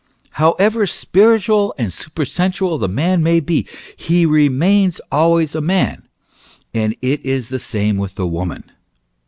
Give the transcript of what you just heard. However spiritual and super sensual the man may be, he remains always a man ; and it is the same with the woman.